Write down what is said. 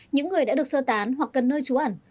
những người đã được sơ tán hoặc cần nơi trú ẩn